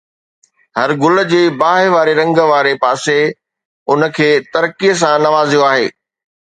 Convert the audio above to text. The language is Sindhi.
هر گل جي باهه واري رنگ واري پاسي ان کي ترقي سان نوازيو آهي